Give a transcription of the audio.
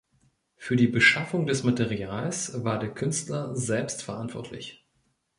Für die Beschaffung des Materials war der Künstler selbst verantwortlich.